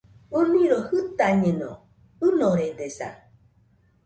ɨniroi jɨtañeno, ɨnoredesa.